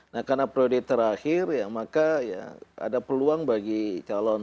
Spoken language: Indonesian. nah karena prioritas terakhir ya maka ya ada peluang bagi calon